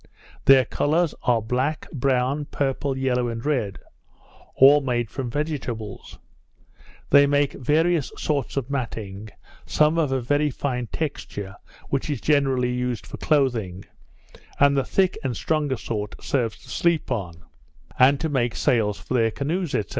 Their colours are black, brown, purple, yellow, and red; all made from vegetables. They make various sorts of matting; some of a very fine texture, which is generally used for clothing; and the thick and stronger sort serves to sleep on, and to make sails for their canoes, &c.